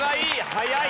早い！